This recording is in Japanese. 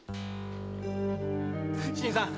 新さん。